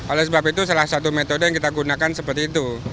oleh sebab itu salah satu metode yang kita gunakan seperti itu